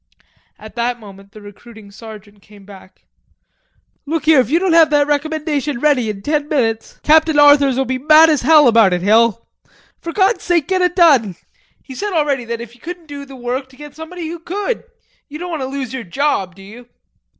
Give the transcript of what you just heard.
At that moment the recruiting sergeant came back. "Look here, if you don't have that recommendation ready in ten minutes Captain Arthurs'll be mad as hell about it, Hill. For God's sake get it done. He said already that if you couldn't do the work, to get somebody who could. You don't want to lose your job do you?"